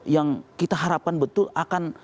yang kita harapkan betul akan